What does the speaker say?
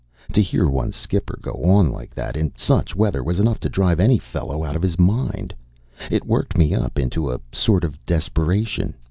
To hear one's skipper go on like that in such weather was enough to drive any fellow out of his mind. It worked me up into a sort of desperation.